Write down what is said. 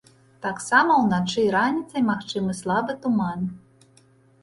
Таксама ўначы і раніцай магчымы слабы туман.